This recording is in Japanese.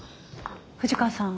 藤川さん